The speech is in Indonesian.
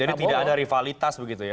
jadi tidak ada rivalitas begitu ya